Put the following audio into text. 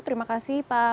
terima kasih pak